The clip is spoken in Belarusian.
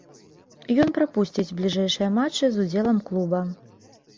Ён прапусціць бліжэйшыя матчы з удзелам клуба.